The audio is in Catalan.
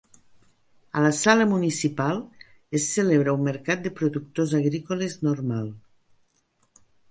A la sala municipal es celebra un mercat de productors agrícoles normal.